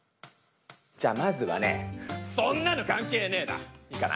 じゃあまずはね「そんなの関係ねえ」だ。